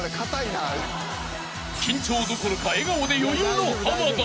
［緊張どころか笑顔で余裕の濱田］